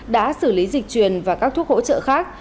đã xử lý dịch truyền và các thuốc hỗ trợ khác